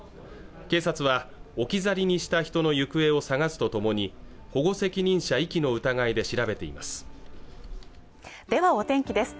警察は置き去りにした人の行方を捜すとともに保護責任者遺棄の疑いで調べていますではお天気です